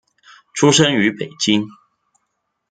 出生于北京。